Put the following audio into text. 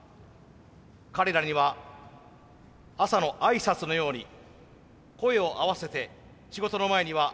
彼らには朝の挨拶のように声を合わせて仕事の前にはこう話します。